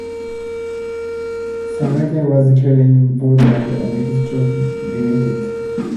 Singletary was killed in the bombardment, and his troops retreated.